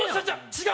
違う！